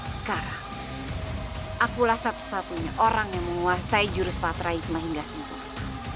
sekarang akulah satu satunya orang yang menguasai jurus patra hikmah hingga sempurna